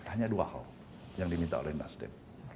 hanya dua hal yang diminta oleh nasdem